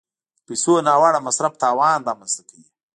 د پیسو ناوړه مصرف تاوان رامنځته کوي.